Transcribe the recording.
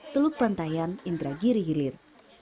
teluk pantayan indragiri hilir